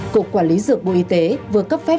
cục quản lý dược bộ y tế vừa cấp phép